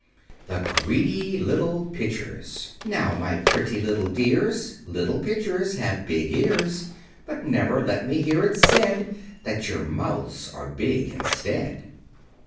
[Illustration: A Sharp Lover] THE GREEDY LITTLE PITCHERS "Now, my pretty little dears, Little Pitchers have big ears; But never let me hear it said That your mouths are big instead."